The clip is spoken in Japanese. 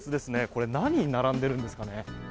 これ、何人並んでいるんですかね。